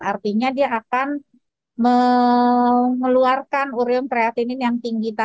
artinya dia akan mengeluarkan ureum kreatinin yang tinggi tadi